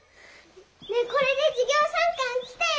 ねえこれで授業参観来てよ。